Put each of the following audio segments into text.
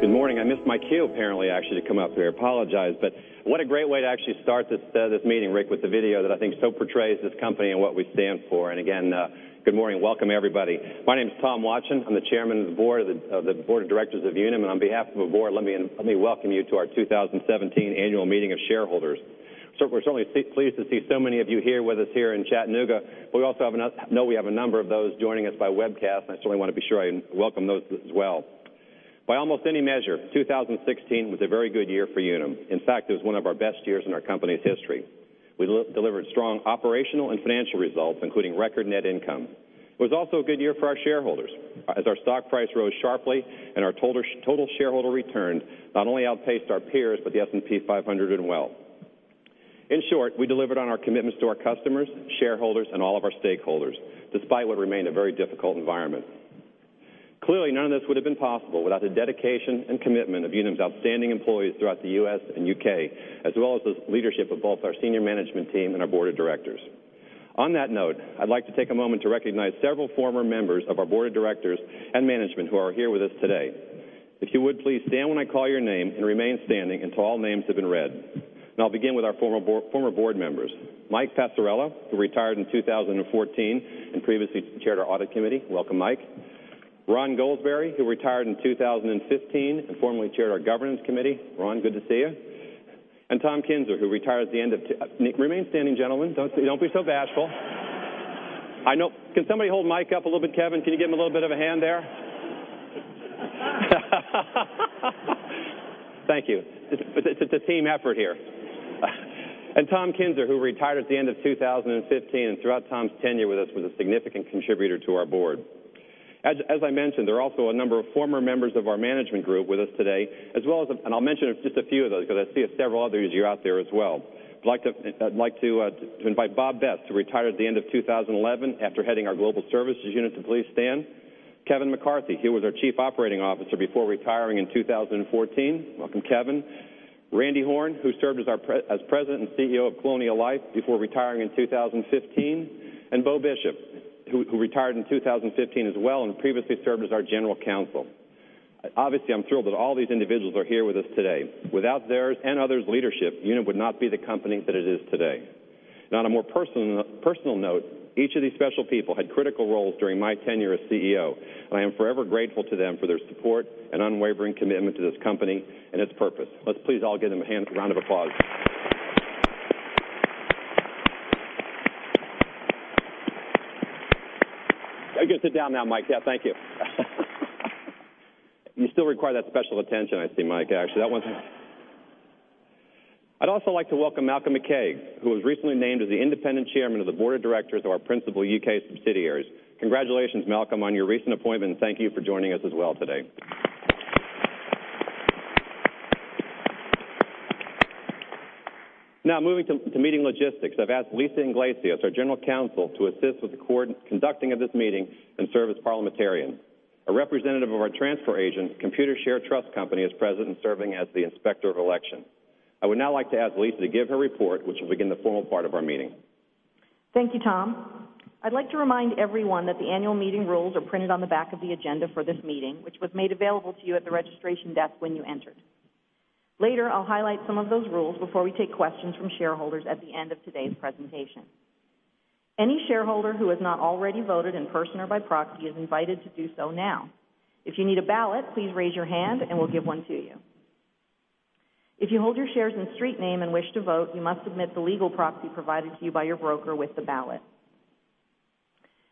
Good morning. I missed my cue apparently, actually, to come up here. I apologize. What a great way to actually start this meeting, Rick, with the video that I think so portrays this company and what we stand for. Again, good morning. Welcome everybody. My name is Tom Watjen. I'm the Chairman of the Board of Directors of Unum, on behalf of the board, let me welcome you to our 2017 annual meeting of shareholders. We're certainly pleased to see so many of you here with us here in Chattanooga. We also know we have a number of those joining us by webcast, I certainly want to be sure I welcome those as well. By almost any measure, 2016 was a very good year for Unum. In fact, it was one of our best years in our company's history. We delivered strong operational and financial results, including record net income. It was also a good year for our shareholders as our stock price rose sharply. Our total shareholder returns not only outpaced our peers, the S&P 500 doing well. In short, we delivered on our commitments to our customers, shareholders, and all of our stakeholders, despite what remained a very difficult environment. Clearly, none of this would've been possible without the dedication and commitment of Unum's outstanding employees throughout the U.S. and U.K., as well as the leadership of both our senior management team and our board of directors. On that note, I'd like to take a moment to recognize several former members of our board of directors and management who are here with us today. If you would please stand when I call your name and remain standing until all names have been read. I'll begin with our former board members. Mike Passarella, who retired in 2014 and previously chaired our audit committee. Welcome, Mike. Ron Goldsberry, who retired in 2015 and formerly chaired our governance committee. Ron, good to see you. Tom Kinzer, who retired at the end of. Remain standing, gentlemen. Don't be so bashful. Can somebody hold Mike up a little bit? Kevin, can you give him a little bit of a hand there? Thank you. It's a team effort here. Tom Kinzer, who retired at the end of 2015, throughout Tom's tenure with us, was a significant contributor to our board. As I mentioned, there are also a number of former members of our management group with us today. I'll mention just a few of those because I see several others, you're out there as well. I'd like to invite Bob Best, who retired at the end of 2011 after heading our global services unit to please stand. Kevin McCarthy, he was our Chief Operating Officer before retiring in 2014. Welcome, Kevin. Randy Horne, who served as President and Chief Executive Officer of Colonial Life before retiring in 2015. Bo Bishop, who retired in 2015 as well and previously served as our General Counsel. Obviously, I'm thrilled that all these individuals are here with us today. Without theirs and others' leadership, Unum would not be the company that it is today. On a more personal note, each of these special people had critical roles during my tenure as CEO. I am forever grateful to them for their support and unwavering commitment to this company and its purpose. Let's please all give them a round of applause. You can sit down now, Mike. Thank you. You still require that special attention, I see, Mike, actually. I'd also like to welcome Malcolm McCaig, who was recently named as the independent chairman of the board of directors of our principal U.K. subsidiaries. Congratulations, Malcolm, on your recent appointment, and thank you for joining us as well today. Moving to meeting logistics. I've asked Lisa Iglesias, our general counsel, to assist with the conducting of this meeting and serve as parliamentarian. A representative of our transfer agent, Computershare Trust Company, is present and serving as the Inspector of Election. I would now like to ask Lisa to give her report, which will begin the formal part of our meeting. Thank you, Tom. I'd like to remind everyone that the annual meeting rules are printed on the back of the agenda for this meeting, which was made available to you at the registration desk when you entered. Later, I'll highlight some of those rules before we take questions from shareholders at the end of today's presentation. Any shareholder who has not already voted in person or by proxy is invited to do so now. If you need a ballot, please raise your hand and we'll give one to you. If you hold your shares in street name and wish to vote, you must submit the legal proxy provided to you by your broker with the ballot.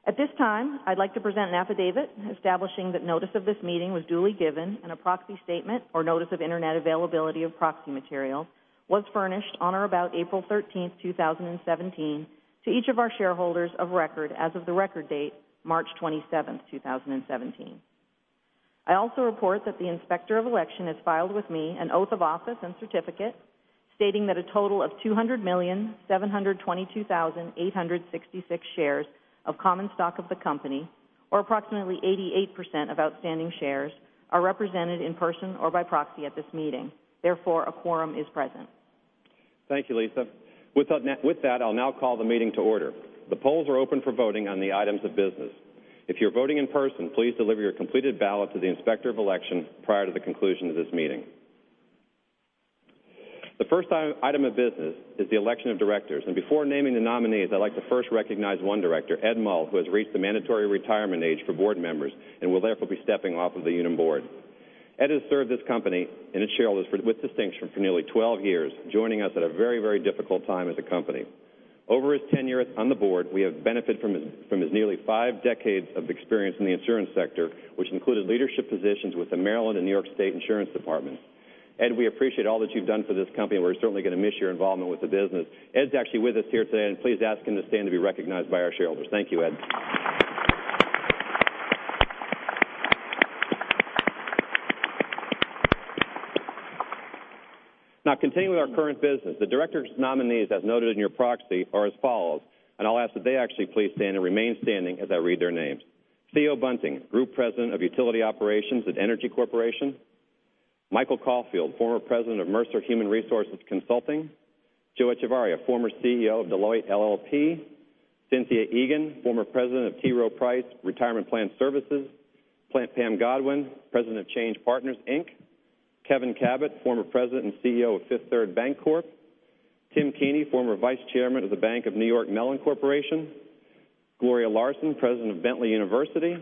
At this time, I'd like to present an affidavit establishing that notice of this meeting was duly given and a proxy statement or notice of internet availability of proxy material was furnished on or about April 13, 2017, to each of our shareholders of record as of the record date, March 27, 2017. I also report that the Inspector of Election has filed with me an oath of office and certificate stating that a total of 200,722,866 shares of common stock of the company, or approximately 88% of outstanding shares, are represented in person or by proxy at this meeting, therefore, a quorum is present. Thank you, Lisa. With that, I'll now call the meeting to order. The polls are open for voting on the items of business. If you're voting in person, please deliver your completed ballot to the Inspector of Election prior to the conclusion of this meeting. The first item of business is the election of directors, and before naming the nominees, I'd like to first recognize one director, Ed Muhl, who has reached the mandatory retirement age for board members and will therefore be stepping off of the Unum board. Ed has served this company and its shareholders with distinction for nearly 12 years, joining us at a very difficult time as a company. Over his tenure on the board, we have benefited from his nearly five decades of experience in the insurance sector, which included leadership positions with the Maryland and New York State Insurance Department. Ed, we appreciate all that you've done for this company. We're certainly going to miss your involvement with the business. Ed's actually with us here today, and please ask him to stand to be recognized by our shareholders. Thank you, Ed. Now continuing with our current business, the directors' nominees, as noted in your proxy, are as follows, and I'll ask that they actually please stand and remain standing as I read their names. Theo Bunting, Group President of Utility Operations at Entergy Corporation. Michael Caulfield, former President of Mercer Human Resource Consulting. Joe Echevarria, former CEO of Deloitte LLP. Cynthia Egan, former president of T. Rowe Price Retirement Plan Services. Pam Godwin, president of Change Partners, Inc. Kevin Kabat, former president and CEO of Fifth Third Bancorp. Tim Keaney, former vice chairman of The Bank of New York Mellon Corporation. Gloria Larson, president of Bentley University.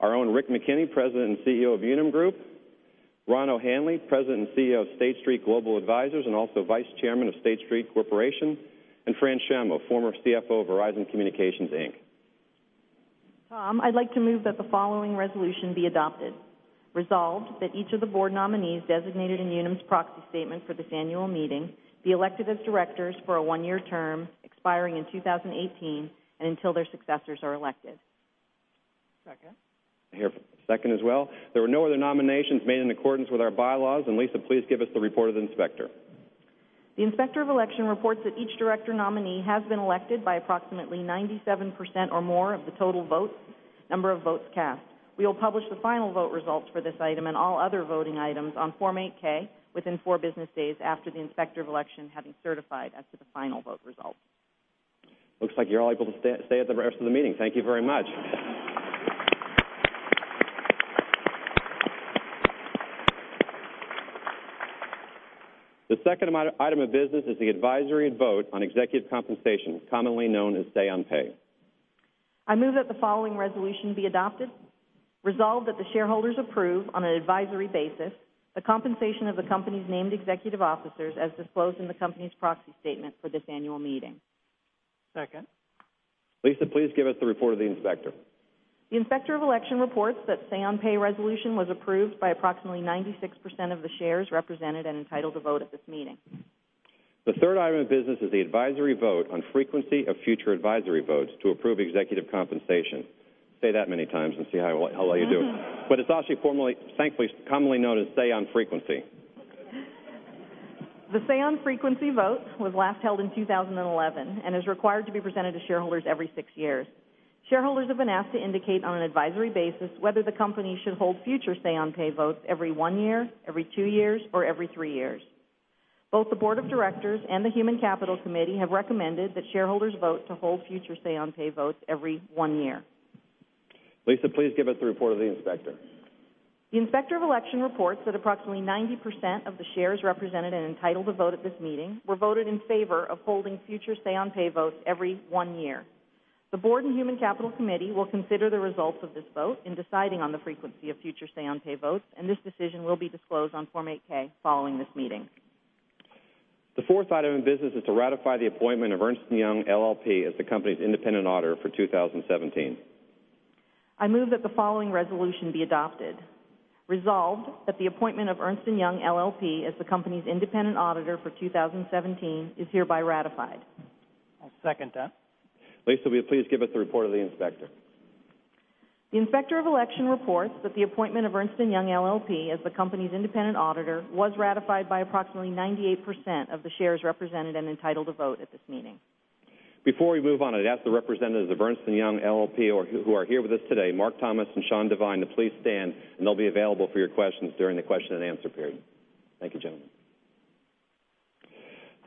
Our own Rick McKenney, president and CEO of Unum Group. Ron O'Hanley, president and CEO of State Street Global Advisors, and also vice chairman of State Street Corporation. Fran Shammo, former CFO of Verizon Communications Inc. Tom, I'd like to move that the following resolution be adopted. Resolved, that each of the board nominees designated in Unum's proxy statement for this annual meeting be elected as directors for a one-year term expiring in 2018 and until their successors are elected. Second. I hear second as well. There were no other nominations made in accordance with our bylaws, and Lisa, please give us the report of the inspector. The Inspector of Election reports that each director nominee has been elected by approximately 97% or more of the total number of votes cast. We will publish the final vote results for this item and all other voting items on Form 8-K within four business days after the Inspector of Election having certified as to the final vote results. Looks like you're all able to stay at the rest of the meeting. Thank you very much. The second item of business is the advisory vote on executive compensation, commonly known as Say on Pay. I move that the following resolution be adopted. Resolved, that the shareholders approve, on an advisory basis, the compensation of the company's named executive officers as disclosed in the company's proxy statement for this annual meeting. Second. Lisa, please give us the report of the inspector. The Inspector of Election reports that Say on Pay resolution was approved by approximately 96% of the shares represented and entitled to vote at this meeting. The third item of business is the advisory vote on frequency of future advisory votes to approve executive compensation. Say that many times and see how well you do. It's also thankfully commonly known as Say on Frequency. The Say on Frequency vote was last held in 2011 and is required to be presented to shareholders every six years. Shareholders have been asked to indicate on an advisory basis whether the company should hold future Say on Pay votes every one year, every two years, or every three years. Both the board of directors and the Human Capital Committee have recommended that shareholders vote to hold future Say on Pay votes every one year. Lisa, please give us the report of the inspector. The Inspector of Election reports that approximately 90% of the shares represented and entitled to vote at this meeting were voted in favor of holding future Say on Pay votes every one year. The board and Human Capital Committee will consider the results of this vote in deciding on the frequency of future Say on Pay votes, and this decision will be disclosed on Form 8-K following this meeting. The fourth item of business is to ratify the appointment of Ernst & Young LLP as the company's independent auditor for 2017. I move that the following resolution be adopted. Resolved, that the appointment of Ernst & Young LLP as the company's independent auditor for 2017 is hereby ratified. I second that. Lisa, will you please give us the report of the inspector? The Inspector of Election reports that the appointment of Ernst & Young LLP as the company's independent auditor was ratified by approximately 98% of the shares represented and entitled to vote at this meeting. Before we move on, I'd ask the representatives of Ernst & Young LLP who are here with us today, Mark Thomas and Sean Divine, to please stand, and they'll be available for your questions during the question and answer period. Thank you, gentlemen.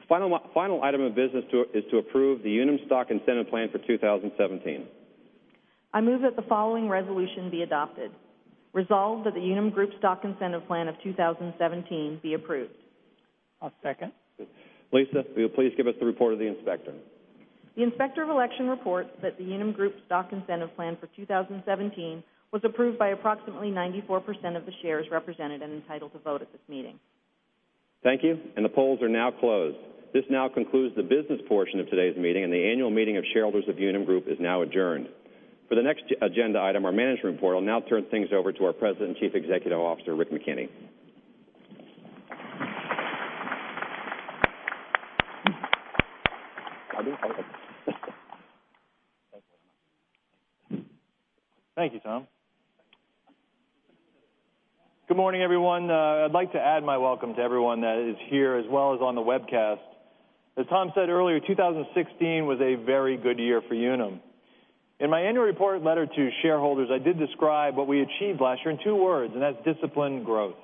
Final item of business is to approve the Unum Stock Incentive Plan for 2017. I move that the following resolution be adopted. Resolved, that the Unum Group Stock Incentive Plan of 2017 be approved. I'll second. Lisa, will you please give us the report of the inspector? The Inspector of Election reports that the Unum Group Stock Incentive Plan for 2017 was approved by approximately 94% of the shares represented and entitled to vote at this meeting. Thank you. The polls are now closed. This now concludes the business portion of today's meeting, and the annual meeting of shareholders of Unum Group is now adjourned. For the next agenda item, our management report, I'll now turn things over to our President and Chief Executive Officer, Rick McKenney. Thank you very much. Thank you, Tom. Good morning, everyone. I'd like to add my welcome to everyone that is here, as well as on the webcast. As Tom said earlier, 2016 was a very good year for Unum. In my annual report letter to shareholders, I did describe what we achieved last year in two words, and that's discipline and growth.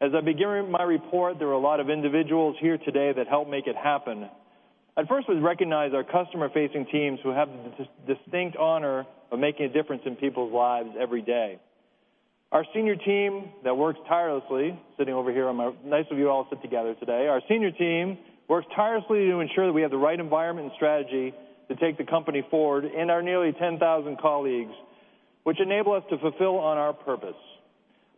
As I begin my report, there are a lot of individuals here today that helped make it happen. I'd first like to recognize our customer-facing teams who have the distinct honor of making a difference in people's lives every day. Our senior team that works tirelessly, sitting over here, nice of you all to sit together today. Our senior team works tirelessly to ensure that we have the right environment and strategy to take the company forward and our nearly 10,000 colleagues, which enable us to fulfill on our purpose.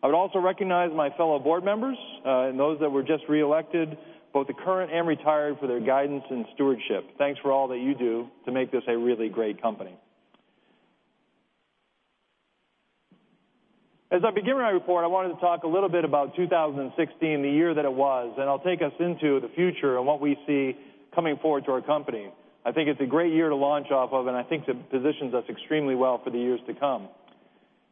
I would also recognize my fellow board members and those that were just reelected, both the current and retired, for their guidance and stewardship. Thanks for all that you do to make this a really great company. As I begin my report, I wanted to talk a little bit about 2016, the year that it was, and I'll take us into the future and what we see coming forward to our company. I think it's a great year to launch off of, and I think it positions us extremely well for the years to come.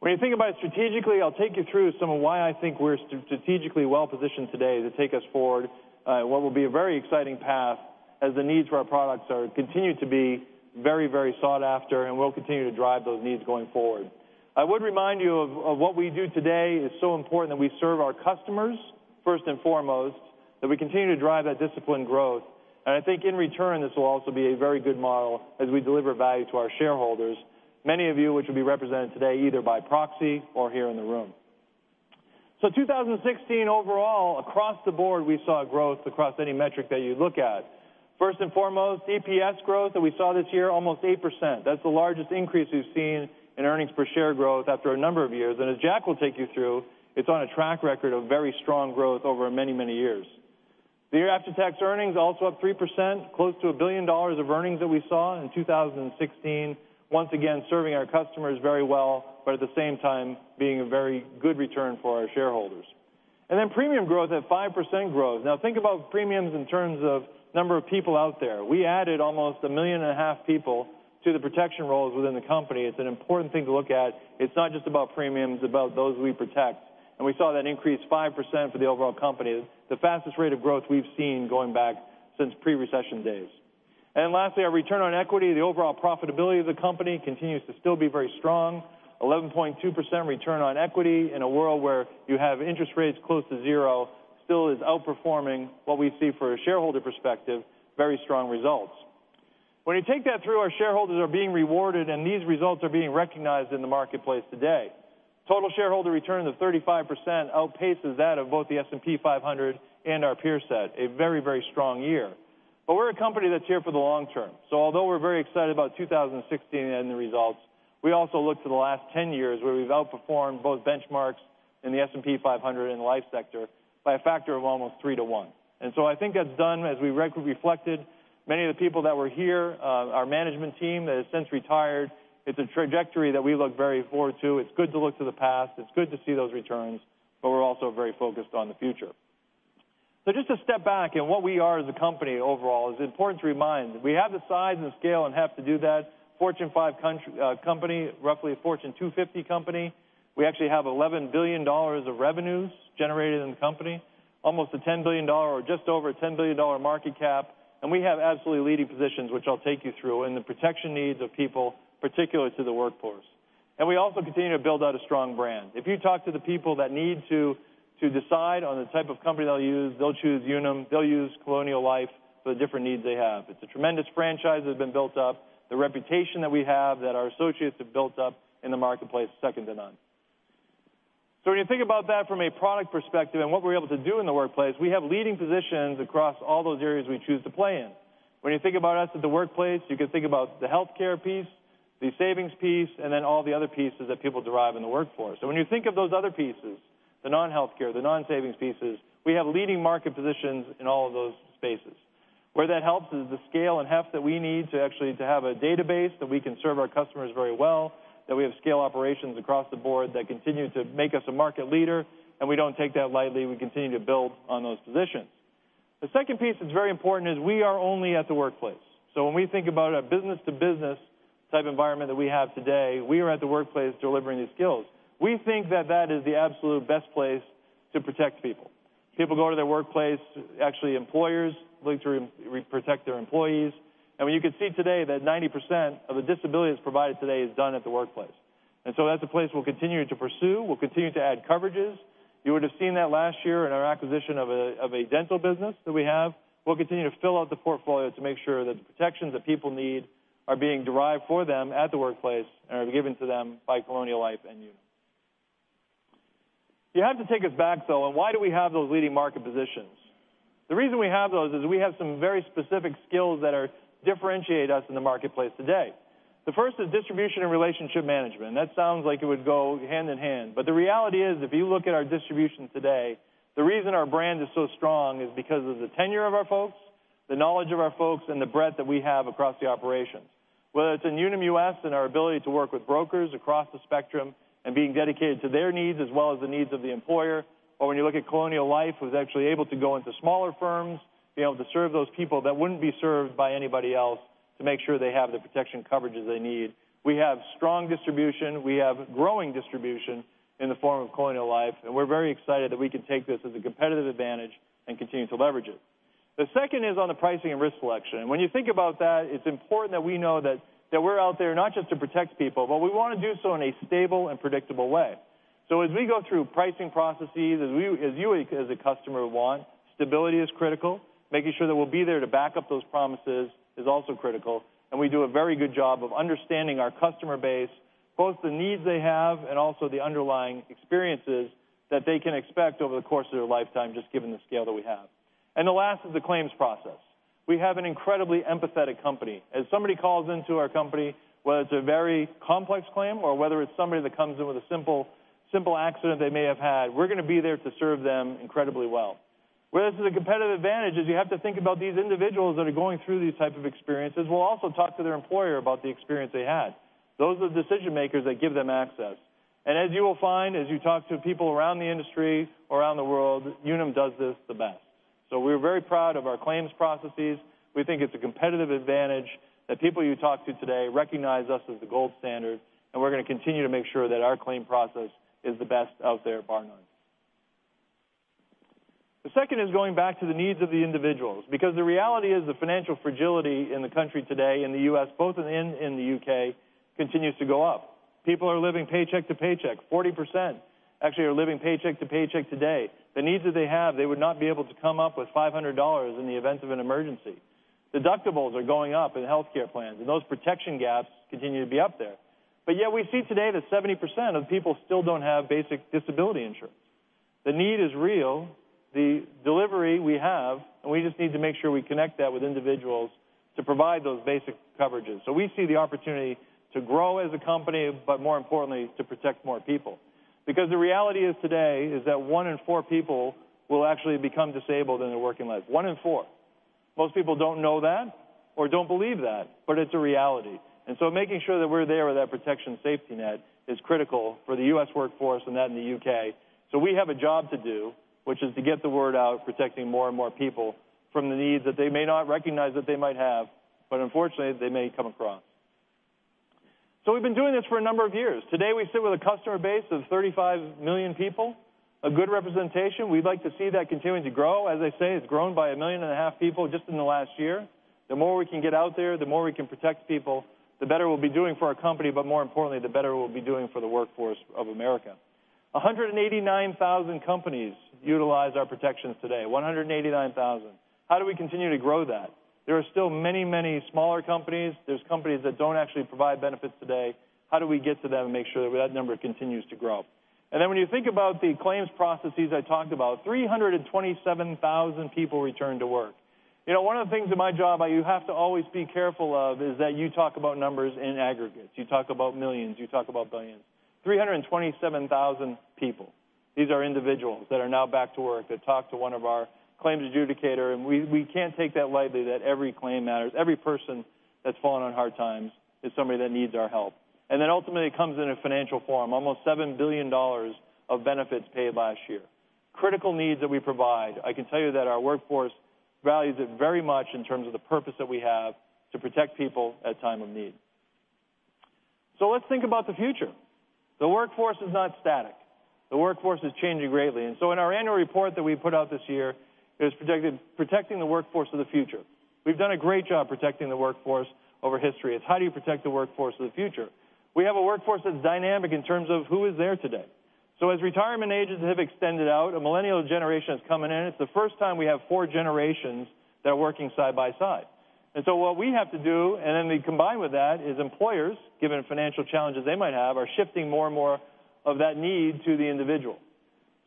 When you think about it strategically, I'll take you through some of why I think we're strategically well-positioned today to take us forward what will be a very exciting path as the needs for our products continue to be very sought after and will continue to drive those needs going forward. I would remind you of what we do today is so important that we serve our customers first and foremost, that we continue to drive that disciplined growth. I think in return, this will also be a very good model as we deliver value to our shareholders, many of you which will be represented today either by proxy or here in the room. 2016 overall, across the board, we saw growth across any metric that you look at. First and foremost, EPS growth that we saw this year, almost 8%. That's the largest increase we've seen in earnings per share growth after a number of years. As Jack will take you through, it's on a track record of very strong growth over many, many years. The year after tax earnings also up 3%, close to $1 billion of earnings that we saw in 2016. Once again, serving our customers very well, but at the same time, being a very good return for our shareholders. Premium growth at 5% growth. Think about premiums in terms of number of people out there. We added almost a million and a half people to the protection roles within the company. It's an important thing to look at. It's not just about premiums, about those we protect. We saw that increase 5% for the overall company, the fastest rate of growth we've seen going back since pre-recession days. Our return on equity, the overall profitability of the company continues to still be very strong. 11.2% return on equity in a world where you have interest rates close to zero still is outperforming what we see for a shareholder perspective, very strong results. When you take that through, our shareholders are being rewarded, and these results are being recognized in the marketplace today. Total shareholder return of 35% outpaces that of both the S&P 500 and our peer set, a very, very strong year. We're a company that's here for the long term. Although we're very excited about 2016 and the results, we also look to the last 10 years where we've outperformed both benchmarks in the S&P 500 and the life sector by a factor of almost 3 to 1. I think that's done, as we reflected, many of the people that were here, our management team that has since retired, it's a trajectory that we look very forward to. It's good to look to the past, it's good to see those returns, we're also very focused on the future. Just to step back and what we are as a company overall, it's important to remind, we have the size and scale and heft to do that. Fortune 5 company, roughly a Fortune 250 company. We actually have $11 billion of revenues generated in the company, almost a $10 billion or just over a $10 billion market cap. We have absolutely leading positions, which I'll take you through, in the protection needs of people, particularly to the workforce. We also continue to build out a strong brand. If you talk to the people that need to decide on the type of company they'll use, they'll choose Unum, they'll use Colonial Life for the different needs they have. It's a tremendous franchise that has been built up. The reputation that we have, that our associates have built up in the marketplace, second to none. When you think about that from a product perspective and what we're able to do in the workplace, we have leading positions across all those areas we choose to play in. When you think about us at the workplace, you can think about the healthcare piece, the savings piece, all the other pieces that people derive in the workforce. When you think of those other pieces, the non-healthcare, the non-savings pieces, we have leading market positions in all of those spaces. Where that helps is the scale and heft that we need to actually to have a database that we can serve our customers very well, that we have scale operations across the board that continue to make us a market leader, we don't take that lightly. We continue to build on those positions. The second piece that's very important is we are only at the workplace. When we think about a business-to-business type environment that we have today, we are at the workplace delivering these skills. We think that that is the absolute best place to protect people. People go to their workplace, actually employers look to protect their employees. When you can see today that 90% of the disability that's provided today is done at the workplace. That's a place we'll continue to pursue. We'll continue to add coverages. You would have seen that last year in our acquisition of a dental business that we have. We'll continue to fill out the portfolio to make sure that the protections that people need are being derived for them at the workplace and are given to them by Colonial Life and Unum. You have to take us back, though, on why do we have those leading market positions. The reason we have those is we have some very specific skills that differentiate us in the marketplace today. The first is distribution and relationship management, that sounds like it would go hand in hand. The reality is, if you look at our distribution today, the reason our brand is so strong is because of the tenure of our folks, the knowledge of our folks, and the breadth that we have across the operations. Whether it's in Unum US and our ability to work with brokers across the spectrum and being dedicated to their needs as well as the needs of the employer, or when you look at Colonial Life, who's actually able to go into smaller firms, being able to serve those people that wouldn't be served by anybody else to make sure they have the protection coverages they need. We have strong distribution, we have growing distribution in the form of Colonial Life, we're very excited that we can take this as a competitive advantage and continue to leverage it. The second is on the pricing and risk selection. You think about that, it's important that we know that we're out there not just to protect people, but we want to do so in a stable and predictable way. As we go through pricing processes, as you as a customer want, stability is critical. Making sure that we'll be there to back up those promises is also critical, we do a very good job of understanding our customer base, both the needs they have and also the underlying experiences that they can expect over the course of their lifetime, just given the scale that we have. The last is the claims process. We have an incredibly empathetic company. As somebody calls into our company, whether it's a very complex claim or whether it's somebody that comes in with a simple accident they may have had, we're going to be there to serve them incredibly well. Where this is a competitive advantage is you have to think about these individuals that are going through these type of experiences will also talk to their employer about the experience they had. Those are the decision makers that give them access. As you will find as you talk to people around the industry or around the world, Unum does this the best. We're very proud of our claims processes. We think it's a competitive advantage that people you talk to today recognize us as the gold standard, and we're going to continue to make sure that our claim process is the best out there, bar none. The second is going back to the needs of the individuals, because the reality is the financial fragility in the country today, in the U.S. both and in the U.K., continues to go up. People are living paycheck to paycheck. 40% actually are living paycheck to paycheck today. The needs that they have, they would not be able to come up with $500 in the event of an emergency. Deductibles are going up in healthcare plans, and those protection gaps continue to be up there. Yet we see today that 70% of people still don't have basic disability insurance. The need is real, the delivery we have, and we just need to make sure we connect that with individuals to provide those basic coverages. We see the opportunity to grow as a company, but more importantly, to protect more people. Because the reality is today is that one in four people will actually become disabled in their working life. One in four. Most people don't know that or don't believe that, but it's a reality. Making sure that we're there with that protection safety net is critical for the U.S. workforce and that in the U.K. We have a job to do, which is to get the word out, protecting more and more people from the needs that they may not recognize that they might have, but unfortunately, they may come across. We've been doing this for a number of years. Today, we sit with a customer base of 35 million people, a good representation. We'd like to see that continuing to grow. As I say, it's grown by 1.5 million people just in the last year. The more we can get out there, the more we can protect people, the better we'll be doing for our company, but more importantly, the better we'll be doing for the workforce of America. 189,000 companies utilize our protections today. 189,000. How do we continue to grow that? There are still many, many smaller companies. There's companies that don't actually provide benefits today. How do we get to them and make sure that that number continues to grow? When you think about the claims processes I talked about, 327,000 people return to work. One of the things in my job you have to always be careful of is that you talk about numbers in aggregates. You talk about millions. You talk about billions. 327,000 people. These are individuals that are now back to work, that talk to one of our claims adjudicator, and we can't take that lightly that every claim matters. Every person that's fallen on hard times is somebody that needs our help. Ultimately, it comes in a financial form, almost $7 billion of benefits paid last year. Critical needs that we provide. I can tell you that our workforce values it very much in terms of the purpose that we have to protect people at time of need. Let's think about the future. The workforce is not static. The workforce is changing greatly. In our annual report that we put out this year, it was protecting the workforce of the future. We've done a great job protecting the workforce over history. It's how do you protect the workforce of the future? We have a workforce that's dynamic in terms of who is there today. As retirement ages have extended out, a millennial generation is coming in. It's the first time we have four generations that are working side by side. What we have to do, and then combined with that, is employers, given the financial challenges they might have, are shifting more and more of that need to the individual.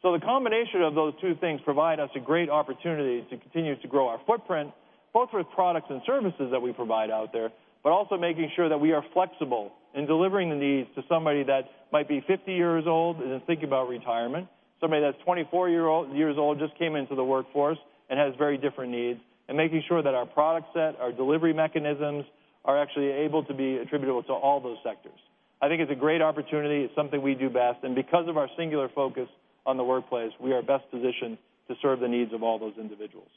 The combination of those two things provide us a great opportunity to continue to grow our footprint, both with products and services that we provide out there, but also making sure that we are flexible in delivering the needs to somebody that might be 50 years old and is thinking about retirement, somebody that's 24 years old, just came into the workforce and has very different needs, and making sure that our product set, our delivery mechanisms, are actually able to be attributable to all those sectors. I think it's a great opportunity. It's something we do best, because of our singular focus on the workplace, we are best positioned to serve the needs of all those individuals.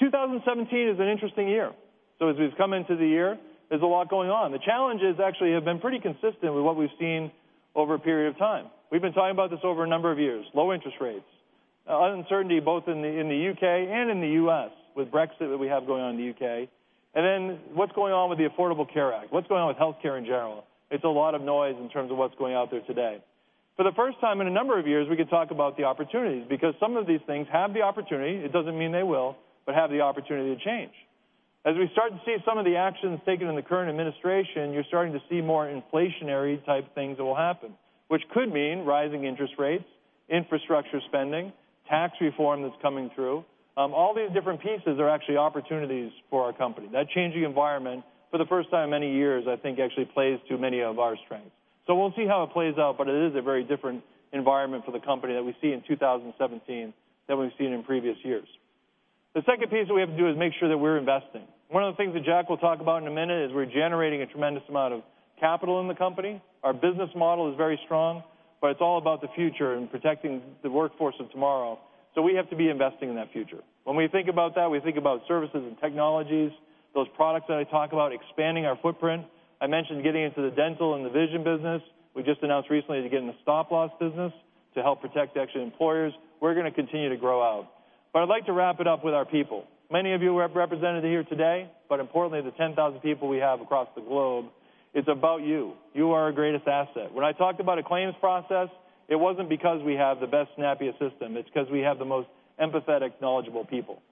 2017 is an interesting year. As we've come into the year, there's a lot going on. The challenges actually have been pretty consistent with what we've seen over a period of time. We've been talking about this over a number of years. Low interest rates, uncertainty both in the U.K. and in the U.S. with Brexit that we have going on in the U.K., and then what's going on with the Affordable Care Act, what's going on with healthcare in general. It's a lot of noise in terms of what's going out there today. For the first time in a number of years, we could talk about the opportunities because some of these things have the opportunity, it doesn't mean they will, but have the opportunity to change. As we start to see some of the actions taken in the current administration, you're starting to see more inflationary type things that will happen, which could mean rising interest rates, infrastructure spending, tax reform that's coming through. All these different pieces are actually opportunities for our company. That changing environment, for the first time in many years, I think actually plays to many of our strengths. We'll see how it plays out, but it is a very different environment for the company that we see in 2017 than we've seen in previous years. The second piece that we have to do is make sure that we're investing. One of the things that Jack will talk about in a minute is we're generating a tremendous amount of capital in the company. Our business model is very strong, but it's all about the future and protecting the workforce of tomorrow. We have to be investing in that future. When we think about that, we think about services and technologies, those products that I talk about, expanding our footprint. I mentioned getting into the dental and the vision business. We just announced recently to get in the stop-loss business to help protect actually employers. We're going to continue to grow out. I'd like to wrap it up with our people. Many of you represented here today, but importantly, the 10,000 people we have across the globe, it's about you. You are our greatest asset. When I talked about a claims process, it wasn't because we have the best, snappiest system. It's because we have the most empathetic, knowledgeable people.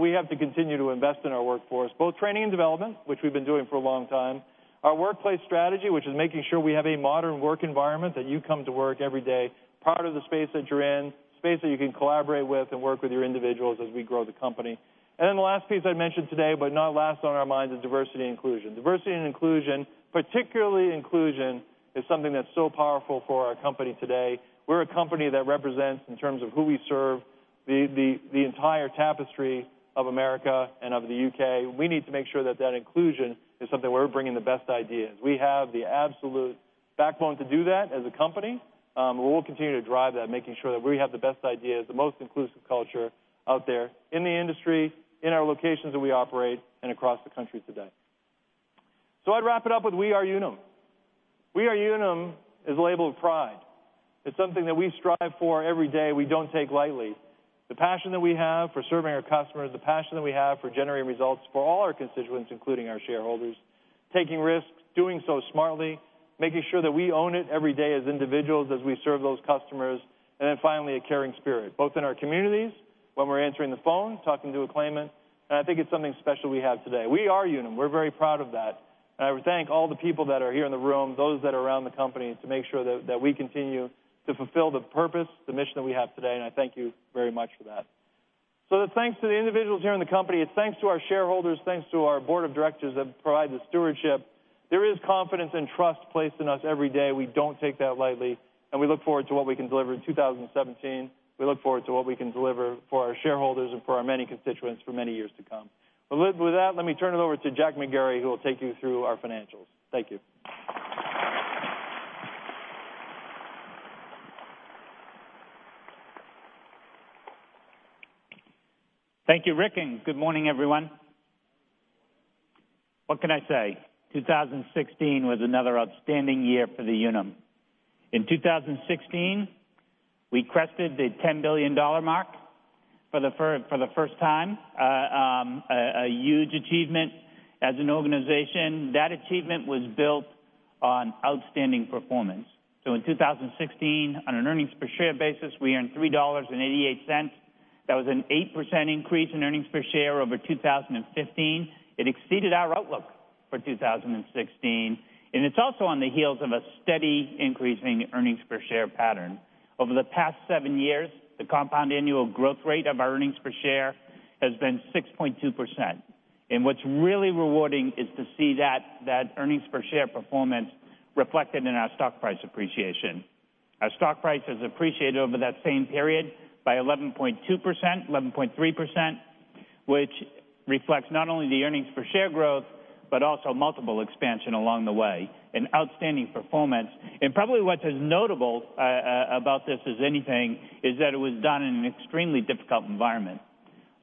We have to continue to invest in our workforce, both training and development, which we've been doing for a long time. Our workplace strategy, which is making sure we have a modern work environment, that you come to work every day, proud of the space that you're in, space that you can collaborate with and work with your individuals as we grow the company. The last piece I mentioned today, but not last on our minds, is diversity and inclusion. Diversity and inclusion, particularly inclusion, is something that's so powerful for our company today. We're a company that represents, in terms of who we serve, the entire tapestry of America and of the U.K. We need to make sure that that inclusion is something we're bringing the best ideas. We have the absolute backbone to do that as a company. We will continue to drive that, making sure that we have the best ideas, the most inclusive culture out there in the industry, in our locations that we operate, and across the country today. I'd wrap it up with we are Unum. We are Unum is a label of pride. It's something that we strive for every day, we don't take lightly. The passion that we have for serving our customers, the passion that we have for generating results for all our constituents, including our shareholders, taking risks, doing so smartly, making sure that we own it every day as individuals as we serve those customers, then finally, a caring spirit, both in our communities, when we're answering the phone, talking to a claimant. I think it's something special we have today. We are Unum. We're very proud of that. I thank all the people that are here in the room, those that are around the company, to make sure that we continue to fulfill the purpose, the mission that we have today. I thank you very much for that. The thanks to the individuals here in the company, it's thanks to our shareholders, thanks to our board of directors that provide the stewardship. There is confidence and trust placed in us every day. We don't take that lightly, and we look forward to what we can deliver in 2017. We look forward to what we can deliver for our shareholders and for our many constituents for many years to come. With that, let me turn it over to Jack McGarry, who will take you through our financials. Thank you. Thank you, Rick McKenney. Good morning, everyone. What can I say? 2016 was another outstanding year for Unum. In 2016, we crested the $10 billion mark for the first time, a huge achievement as an organization. That achievement was built on outstanding performance. In 2016, on an earnings per share basis, we earned $3.88. That was an 8% increase in earnings per share over 2015. It exceeded our outlook for 2016, and it's also on the heels of a steady increase in earnings per share pattern. Over the past seven years, the compound annual growth rate of our earnings per share has been 6.2%. What's really rewarding is to see that earnings per share performance reflected in our stock price appreciation. Our stock price has appreciated over that same period by 11.2%, 11.3%, which reflects not only the earnings per share growth, but also multiple expansion along the way, an outstanding performance. Probably what's as notable about this as anything is that it was done in an extremely difficult environment.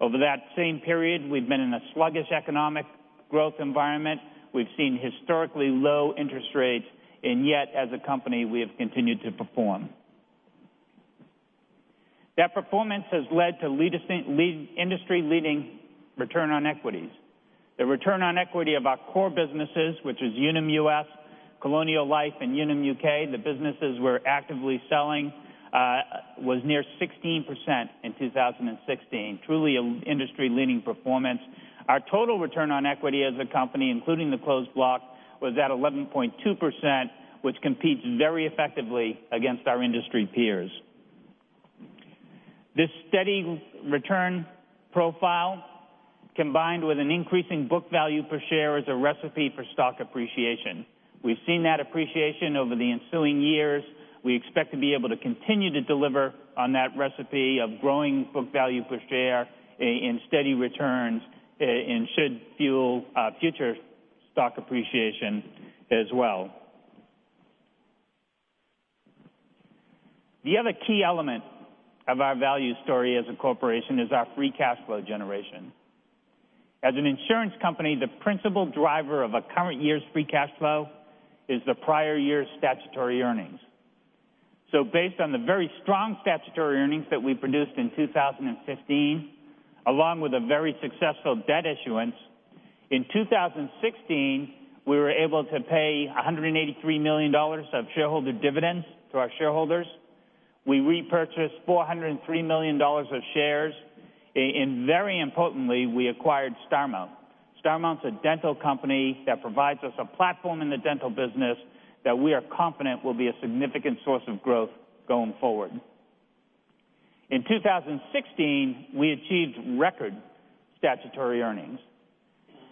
Over that same period, we've been in a sluggish economic growth environment. We've seen historically low interest rates, and yet, as a company, we have continued to perform. That performance has led to industry-leading return on equities. The return on equity of our core businesses, which is Unum US, Colonial Life, and Unum UK, the businesses we're actively selling, was near 16% in 2016, truly an industry-leading performance. Our total return on equity as a company, including the closed block, was at 11.2%, which competes very effectively against our industry peers. This steady return profile, combined with an increasing book value per share, is a recipe for stock appreciation. We've seen that appreciation over the ensuing years. We expect to be able to continue to deliver on that recipe of growing book value per share and steady returns, should fuel future stock appreciation as well. The other key element of our value story as a corporation is our free cash flow generation. As an insurance company, the principal driver of a current year's free cash flow is the prior year's statutory earnings. Based on the very strong statutory earnings that we produced in 2015, along with a very successful debt issuance, in 2016, we were able to pay $183 million of shareholder dividends to our shareholders. We repurchased $403 million of shares. Very importantly, we acquired Starmount. Starmount's a dental company that provides us a platform in the dental business that we are confident will be a significant source of growth going forward. In 2016, we achieved record statutory earnings.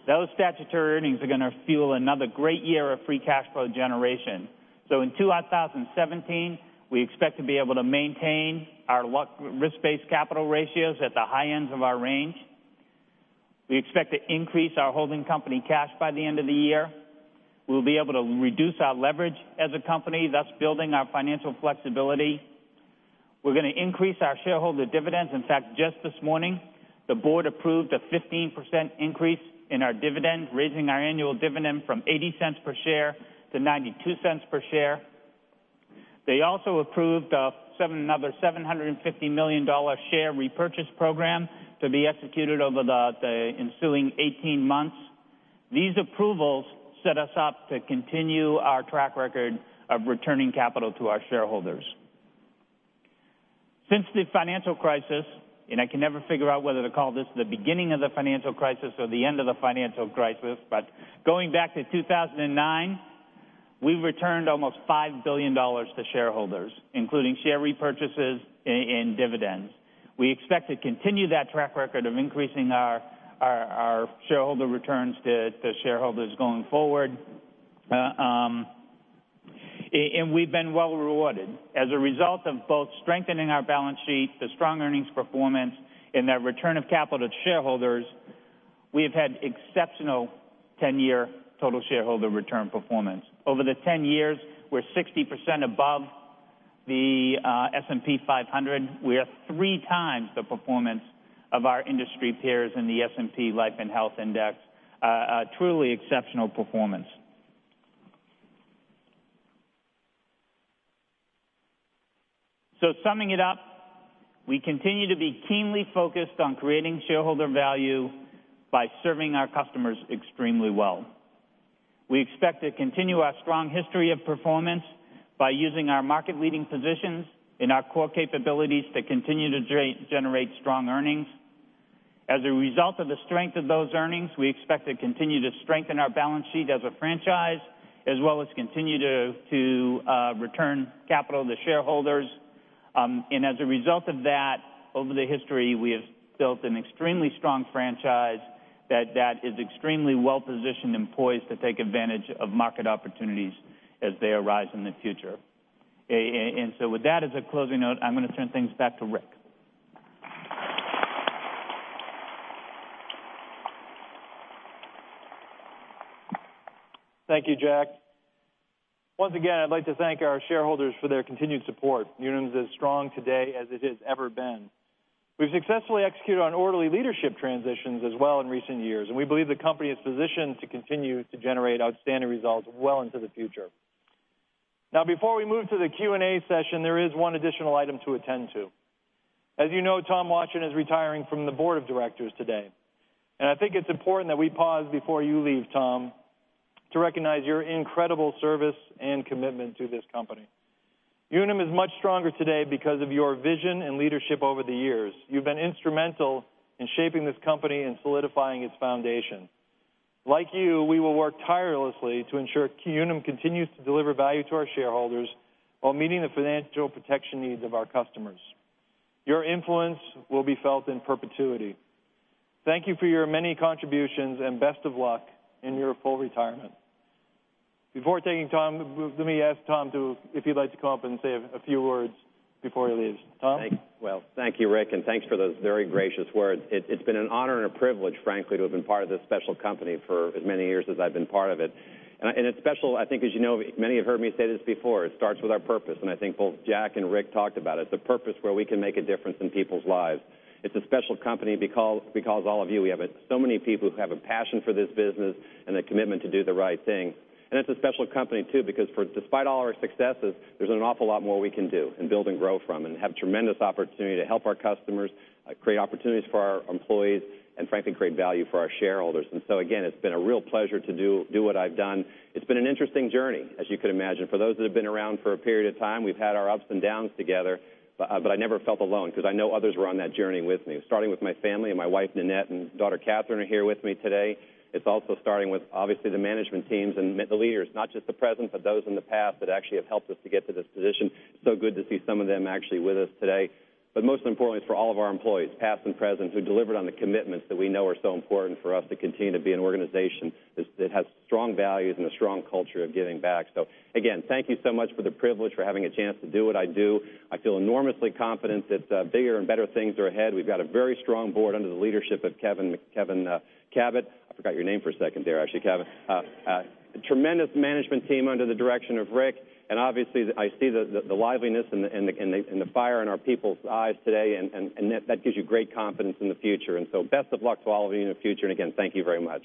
Those statutory earnings are going to fuel another great year of free cash flow generation. In 2017, we expect to be able to maintain our risk-based capital ratios at the high ends of our range. We expect to increase our holding company cash by the end of the year. We'll be able to reduce our leverage as a company, thus building our financial flexibility. We're going to increase our shareholder dividends. In fact, just this morning, the board approved a 15% increase in our dividend, raising our annual dividend from $0.80 per share to $0.92 per share. They also approved another $750 million share repurchase program to be executed over the ensuing 18 months. These approvals set us up to continue our track record of returning capital to our shareholders. Since the financial crisis, and I can never figure out whether to call this the beginning of the financial crisis or the end of the financial crisis, but going back to 2009, we've returned almost $5 billion to shareholders, including share repurchases and dividends. We expect to continue that track record of increasing our shareholder returns to shareholders going forward. We've been well rewarded. As a result of both strengthening our balance sheet, the strong earnings performance, and that return of capital to shareholders, we have had exceptional 10-year total shareholder return performance. Over the 10 years, we're 60% above S&P 500, we are three times the performance of our industry peers in the S&P Life & Health Index. A truly exceptional performance. Summing it up, we continue to be keenly focused on creating shareholder value by serving our customers extremely well. We expect to continue our strong history of performance by using our market-leading positions in our core capabilities to continue to generate strong earnings. As a result of the strength of those earnings, we expect to continue to strengthen our balance sheet as a franchise, as well as continue to return capital to shareholders. As a result of that, over the history, we have built an extremely strong franchise that is extremely well-positioned and poised to take advantage of market opportunities as they arise in the future. With that as a closing note, I'm going to turn things back to Rick. Thank you, Jack. Once again, I'd like to thank our shareholders for their continued support. Unum is as strong today as it has ever been. We've successfully executed on orderly leadership transitions as well in recent years, and we believe the company is positioned to continue to generate outstanding results well into the future. Before we move to the Q&A session, there is one additional item to attend to. As you know, Tom Watjen is retiring from the board of directors today, and I think it's important that we pause before you leave, Tom, to recognize your incredible service and commitment to this company. Unum is much stronger today because of your vision and leadership over the years. You've been instrumental in shaping this company and solidifying its foundation. Like you, we will work tirelessly to ensure Unum continues to deliver value to our shareholders while meeting the financial protection needs of our customers. Your influence will be felt in perpetuity. Thank you for your many contributions and best of luck in your full retirement. Before thanking Tom, let me ask Tom, if he'd like to come up and say a few words before he leaves. Tom? Well, thank you, Rick, and thanks for those very gracious words. It's been an honor and a privilege, frankly, to have been part of this special company for as many years as I've been part of it. It's special, I think as you know, many have heard me say this before, it starts with our purpose, and I think both Jack and Rick talked about it, the purpose where we can make a difference in people's lives. It's a special company because all of you, we have so many people who have a passion for this business and a commitment to do the right thing. It's a special company too, because despite all our successes, there's an awful lot more we can do and build and grow from and have tremendous opportunity to help our customers, create opportunities for our employees, and frankly, create value for our shareholders. Again, it's been a real pleasure to do what I've done. It's been an interesting journey, as you could imagine. For those that have been around for a period of time, we've had our ups and downs together, but I never felt alone because I know others were on that journey with me, starting with my family and my wife Nanette, and daughter Katherine are here with me today. It's also starting with, obviously, the management teams and the leaders. Not just the present, but those in the past that actually have helped us to get to this position. Good to see some of them actually with us today. Most importantly, it's for all of our employees, past and present, who delivered on the commitments that we know are so important for us to continue to be an organization that has strong values and a strong culture of giving back. Again, thank you so much for the privilege for having a chance to do what I do. I feel enormously confident that bigger and better things are ahead. We've got a very strong board under the leadership of Kevin Kabat. I forgot your name for a second there, actually, Kevin. A tremendous management team under the direction of Rick, and obviously I see the liveliness and the fire in our people's eyes today, and that gives you great confidence in the future. Best of luck to all of you in the future, and again, thank you very much.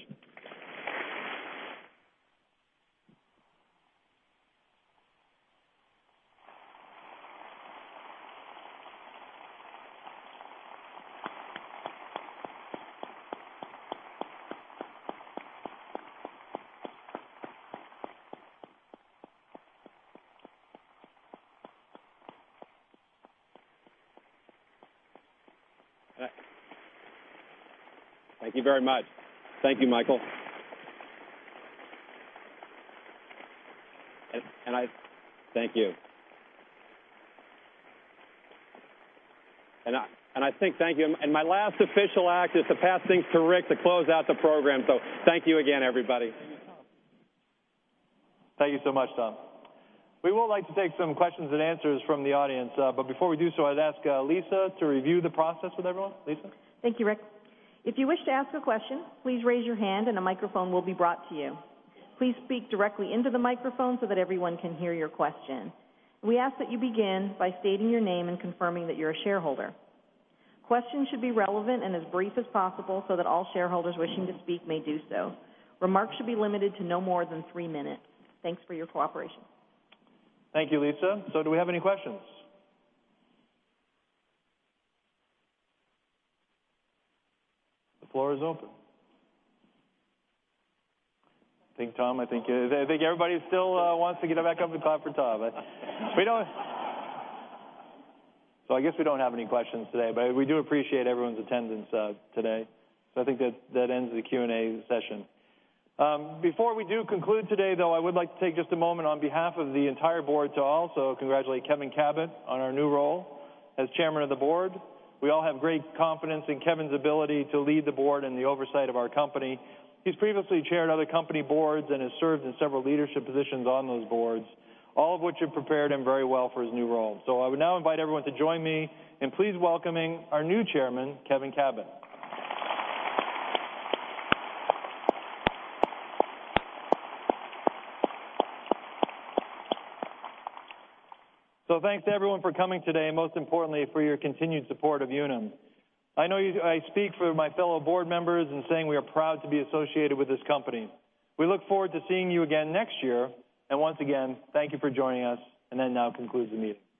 Thank you very much. Thank you, Michael. Thank you. I think thank you. My last official act is to pass things to Rick to close out the program. Thank you again, everybody. Thank you so much, Tom. We would like to take some questions and answers from the audience. Before we do so, I'd ask Lisa to review the process with everyone. Lisa? Thank you, Rick. If you wish to ask a question, please raise your hand and a microphone will be brought to you. Please speak directly into the microphone so that everyone can hear your question. We ask that you begin by stating your name and confirming that you're a shareholder. Questions should be relevant and as brief as possible so that all shareholders wishing to speak may do so. Remarks should be limited to no more than three minutes. Thanks for your cooperation. Thank you, Lisa. Do we have any questions? The floor is open. I think everybody still wants to get back up and clap for Tom. I guess we don't have any questions today, but we do appreciate everyone's attendance today. I think that ends the Q&A session. Before we do conclude today, though, I would like to take just a moment on behalf of the entire board to also congratulate Kevin Kabat on our new role as chairman of the board. We all have great confidence in Kevin's ability to lead the board and the oversight of our company. He's previously chaired other company boards and has served in several leadership positions on those boards, all of which have prepared him very well for his new role. I would now invite everyone to join me in please welcoming our new Chairman, Kevin Kabat. Thanks everyone for coming today, and most importantly, for your continued support of Unum. I know I speak for my fellow board members in saying we are proud to be associated with this company. We look forward to seeing you again next year. Once again, thank you for joining us. That now concludes the meeting. Thank you.